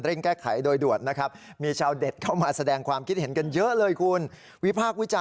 ถ้าเกิดไปถามหน่วยงานนะ